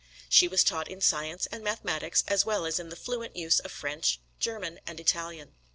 She was taught in science and mathematics as well as in the fluent use of French, German and Italian.